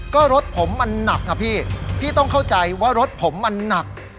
ก็รถผมมันหนักนะพี่พี่ต้องเข้าใจว่ารถผมมันหนัก